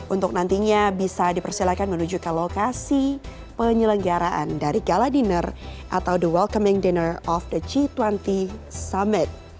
untuk nantinya bisa dipersilakan menuju ke lokasi penyelenggaraan dari gala dinner atau the welcoming dinner of the g dua puluh summit